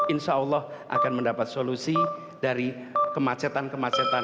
insya allah akan mendapat solusi dari kemacetan kemacetan